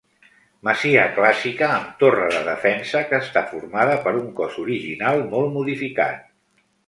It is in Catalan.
Masia clàssica amb torre de defensa que està formada per un cos original molt modificat.